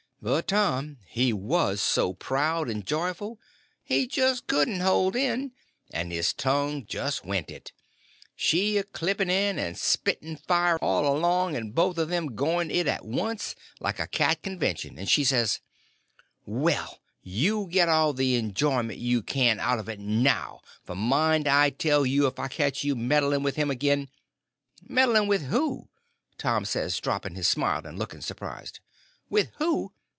But Tom, he was so proud and joyful, he just couldn't hold in, and his tongue just went it—she a chipping in, and spitting fire all along, and both of them going it at once, like a cat convention; and she says: "Well, you get all the enjoyment you can out of it now, for mind I tell you if I catch you meddling with him again—" "Meddling with who?" Tom says, dropping his smile and looking surprised. "With _who?